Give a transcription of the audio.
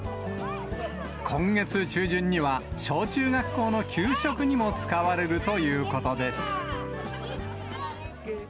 今月中旬には、小中学校の給食にも使われるということです。